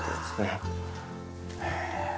へえ。